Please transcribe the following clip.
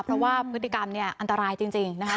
เพราะว่าพฤติกรรมเนี่ยอันตรายจริงนะคะ